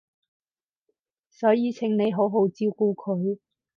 所以請你好好照顧佢